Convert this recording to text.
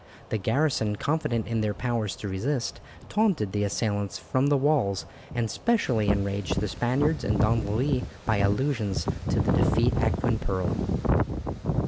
The garrison confident in their powers to resist, taunted the assailants from the walls, and specially enraged the Spaniards and Don Louis by allusions to the defeat at Quimperle.